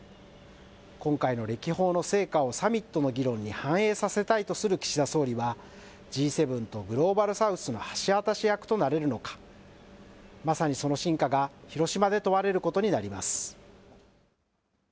今回の歴訪の成果をサミットの議論に反映させたいとする岸田総理は、Ｇ７とグローバル・サウスの橋渡し役となれるのか、まさにその真価が広島で問われることになります。